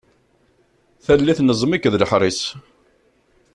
Tallit n ẓẓmik d leḥris.